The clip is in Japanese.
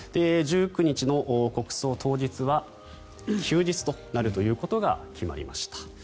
１９日の国葬当日は休日となることが決まりました。